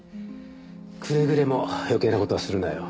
くれぐれも余計な事はするなよ。